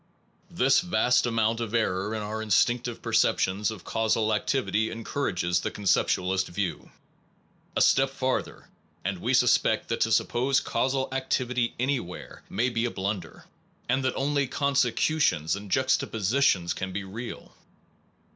This vast amount of error in our instinctive perceptions of causal activity encourages the conceptualist view. A step farther, and we sus pect that to suppose causal activity anywhere may be a blunder, and that only consecutions and juxtapositions can be real.